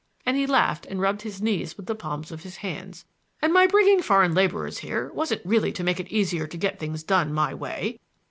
—and he laughed and rubbed his knees with the palms of his hands,—"and my bringing foreign laborers here wasn't really to make it easier to get things done my way.